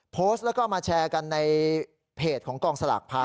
โพสต์แล้วก็มาแชร์กันในเพจของกองสลากพา